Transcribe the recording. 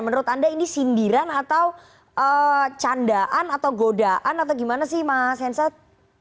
menurut anda ini sindiran atau candaan atau godaan atau gimana sih mas hensat